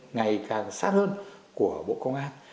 ngày càng sát hơn của bộ công an